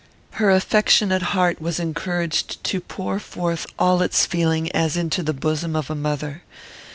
Her affectionate heart was encouraged to pour forth all its feeling as into the bosom of a mother.